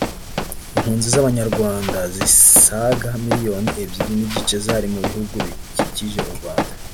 impunzi z’Abanyarwanda zisaga miliyoni ebyiri n’igice zari mu bihugu bikikije u Rwanda